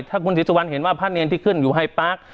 ถ้าคุณศรีสุวรรณเห็นว่าพระเนรที่ขึ้นอยู่ไฮปาร์ค